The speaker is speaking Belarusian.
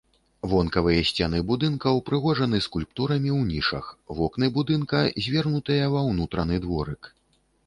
Вонкавыя сцены будынка ўпрыгожаны скульптурамі ў нішах, вокны будынка звернутыя ва ўнутраны дворык.